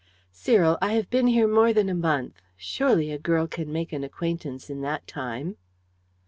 "Cyril! I have been here more than a month. Surely a girl can make an acquaintance in that time?"